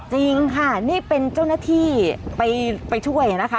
จริงค่ะนี่เป็นเจ้าหน้าที่ไปช่วยนะคะ